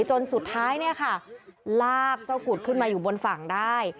จนสุดท้ายเนี่ยค่ะลากเจ้ากุดขึ้นมาอยู่บนฝั่งได้